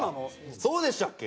そうでしたっけ？